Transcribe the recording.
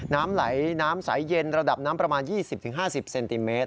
น้ำไหลน้ำใสเย็นระดับน้ำประมาณ๒๐๕๐เซนติเมตร